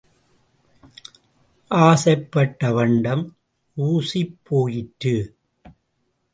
ஆசைப்பட்ட பண்டம் ஊசிப் போயிற்று.